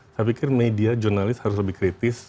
saya pikir media jurnalis harus lebih kritis